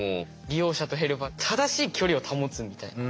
利用者とヘルパー正しい距離を保つみたいな。